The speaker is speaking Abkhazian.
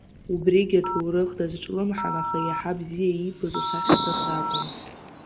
Убригьы аҭоурых дазҿлымҳан, аха еиҳа бзиа иибоз асахьаҭыхракәын.